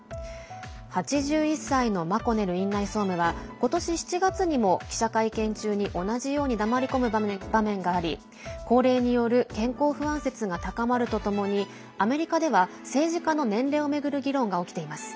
８１歳のマコネル院内総務は今年７月にも記者会見中に同じように黙り込む場面があり高齢による健康不安説が高まるとともにアメリカでは、政治家の年齢を巡る議論が起きています。